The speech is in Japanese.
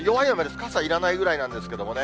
傘いらないくらいなんですけれどもね。